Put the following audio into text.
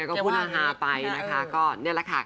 ก็พูดฮาไปนะคะก็นี่แหละค่ะ